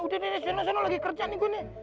udah deh di sini sini lagi kerja nih gue nih